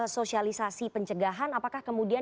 sosialisasi pencegahan apakah kemudian